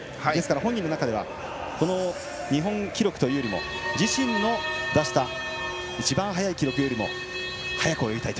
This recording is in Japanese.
本人の中では日本記録というよりも自身の出した一番速い記録よりも速く泳ぎたいと。